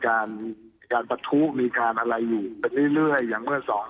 การมีการประทุมีการอะไรอยู่ไปเรื่อยอย่างเมื่อสอง